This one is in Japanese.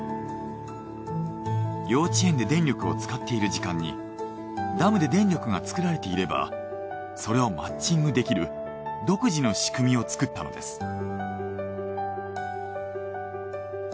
幼稚園で電力を使っている時間にダムで電力が作られていればそれをマッチングできる独自の仕組みを作ったのです。